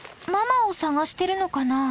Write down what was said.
ママを捜してるのかな？